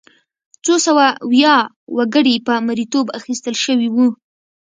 څو سوه ویا وګړي په مریتوب اخیستل شوي وو.